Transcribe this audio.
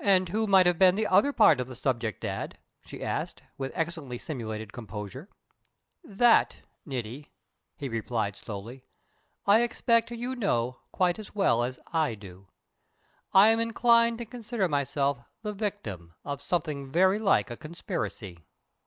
"And who might have been the other part of the subject, Dad?" she asked, with excellently simulated composure. "That, Niti," he replied slowly, "I expect you know quite as well as I do. I am inclined to consider myself the victim of something very like a conspiracy."